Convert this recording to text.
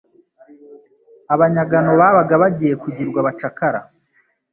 Abanyagano babaga bagiye kugirwa abacakara